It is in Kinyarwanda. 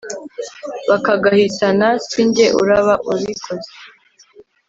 bakagahitana sinjye uraba ubikoze